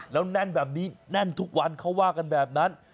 แล้วแน่นแบบนี้แน่นทุกวันเขาว่ากันแบบนั้น